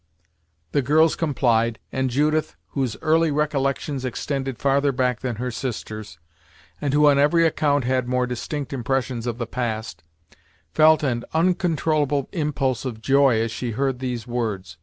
The girls complied, and Judith, whose early recollections extended farther back than her sister's, and who on every account had more distinct impressions of the past, felt an uncontrollable impulse of joy as she heard these words.